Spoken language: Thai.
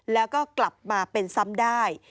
แล้วก็กลับมาเป็นซ้ำได้